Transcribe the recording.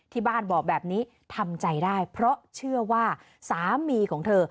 ที่บ้านบอกแบบนี้ทำใจได้เพราะเชื่อว่าสามีของเธอ